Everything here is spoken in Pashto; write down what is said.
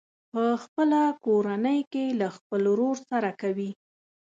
په خپله کورنۍ کې له خپل ورور سره کوي.